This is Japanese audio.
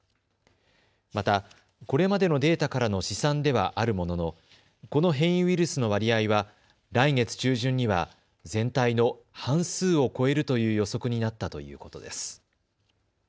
また、これまでのデータからの試算ではあるもののこの変異ウイルスの割合は来月中旬には全体の半数を超えるという予測になったということです。